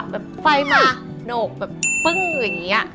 แบบไฟมาโน้งเป็นอย่างนี้